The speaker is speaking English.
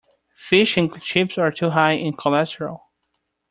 Fish and chips are too high in cholesterol.